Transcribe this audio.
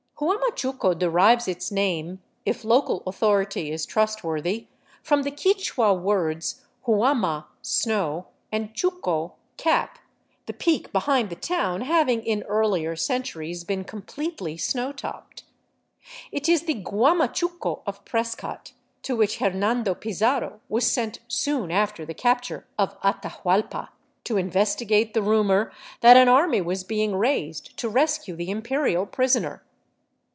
Huamachuco derives its name, if local authority is trustworthy, from the Quichua words huama (snow) and chuco (cap), the peak behind the town having in earlier centuries been completely snow topped. It is the " Guamachuco " of Prescott, to which Hernando Pizarro was sent soon after the capture of Atahuallpa, to investigate the rumor that an army was being raised to rescue the imperial prisoner.